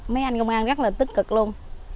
mấy anh công an rất là tích cực luôn